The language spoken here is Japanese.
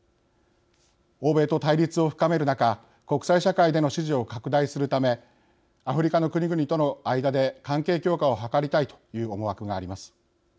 欧米と対立を深める中国際社会での支持を拡大するためアフリカの国々との間で関係強化を図りたいという思惑があります。